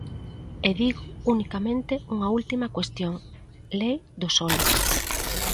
E digo unicamente unha última cuestión: Lei do solo.